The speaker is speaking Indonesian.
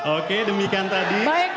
oke demikian tadi